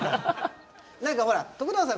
何かほら永さん